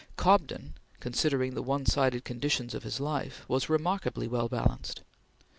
Cobden, considering the one sided conditions of his life, was remarkably well balanced.